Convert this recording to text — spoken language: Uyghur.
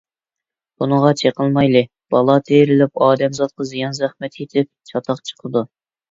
بۇنىڭغا چېقىلمايلى، بالا تېرىلىپ، ئادەمزاتقا زىيان - زەخمەت يېتىپ، چاتاق چىقىدۇ.